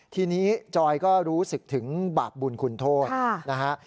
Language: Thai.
ทีนี้จอยก็รู้สึกถึงบาปบุญคุณโทษนะฮะ